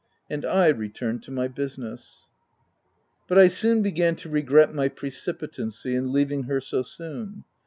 And I re turned to my business. But I soon began to regret my precipitancy 256 THE TENANT in leaving her so soon.